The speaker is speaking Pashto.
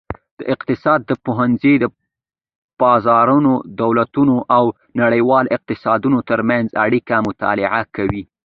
د اقتصاد پوهنځی د بازارونو، دولتونو او نړیوالو اقتصادونو ترمنځ اړیکې مطالعه کوي.